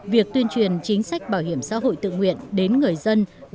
việc tuyên truyền chính sách bảo hiểm xã hội tự nguyện đến người dân gặp nhiều khó khăn